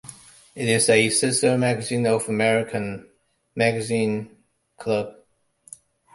It is a sister magazine of American magazine "Club".